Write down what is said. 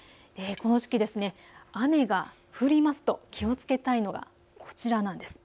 この時期、雨が降ると気をつけたいのがこちらなんです。